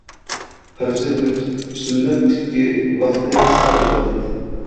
پەرزى ئۈچ، سۈننەت ئىككى، ۋاقتى قىسقا ئىبادەت.